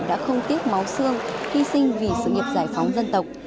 đã không tiếc máu xương hy sinh vì sự nghiệp giải phóng dân tộc